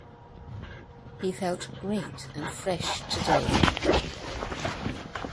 He felt great and fresh today.